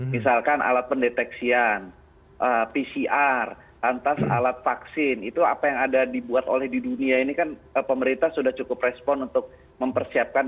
misalkan alat pendeteksian pcr lantas alat vaksin itu apa yang ada dibuat oleh di dunia ini kan pemerintah sudah cukup respon untuk mempersiapkan